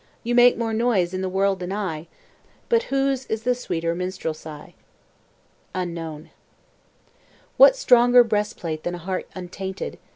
You make more noise in the world than I, But whose is the sweeter minstrelsy?" UNKNOWN What stronger breast plate than a heart untainted?